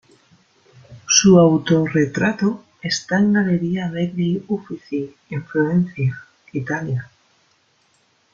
Su autorretrato está en la Galleria degli Uffizi en Florencia, Italia.